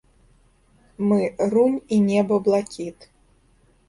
Мы, рунь і неба блакіт.